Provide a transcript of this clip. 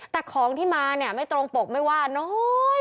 แต่ของที่มาเนี่ยไม่ตรงปกไม่ว่าน้อย